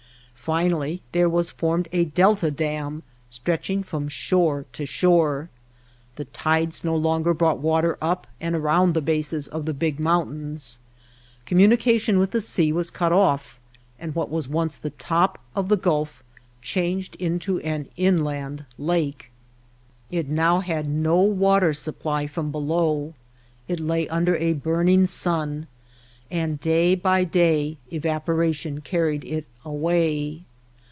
Finally there was formed a delta dam stretch ing from shore to shore. The tides no longer brought water up and around the bases of the big mountains. Communication with the sea was cut off and what was once the top of the Gulf changed into an inland lake. It now had no water supply from below, it lay under a burning sun, and day by day evaporation car ried it away.